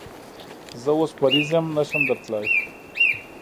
زه اوس مریض یم، نشم درتلای